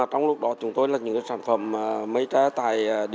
trong lúc đó chúng tôi là những sản phẩm mấy trái tài